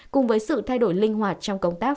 cùng với sự thay đổi linh hoạt trong công tác